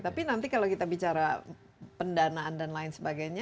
tapi nanti kalau kita bicara pendanaan dan lain sebagainya